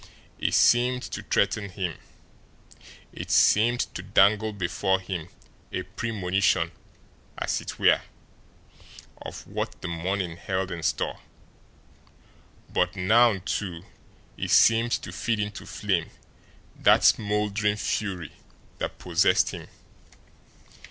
It seemed to threaten him; it seemed to dangle before him a premonition as it were, of what the morning held in store; but now, too, it seemed to feed into flame that smouldering fury that possessed him.